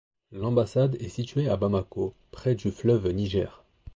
L'ambassade est située à Bamako, près du fleuve Niger.